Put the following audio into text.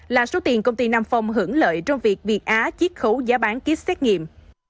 là số tiền công ty nam phong hưởng lợi trong việc việt á chiếc khấu giá bán kýt xét nghiệm